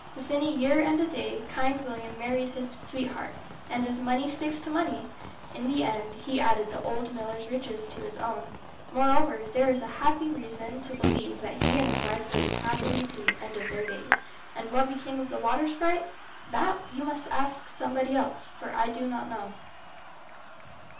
Within a year and a day Kind William married his sweetheart, and as money sticks to money, in the end he added the old miller's riches to his own. Moreover there is every reason to believe that he and his wife lived happily to the end of their days. And what became of the water sprite? That you must ask somebody else, for I do not know.